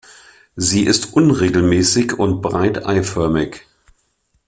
Sie ist unregelmäßig und breit eiförmig.